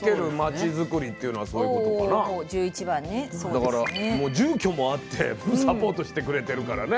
だからもう住居もあってサポートしてくれてるからね。